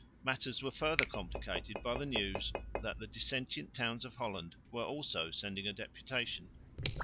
Matters were further complicated by the news that the dissentient towns of Holland were also sending a deputation.